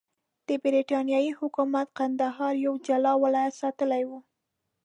د برټانیې حکومت کندهار یو جلا ولایت ساتلی وو.